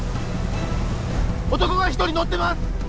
男が１人乗ってます！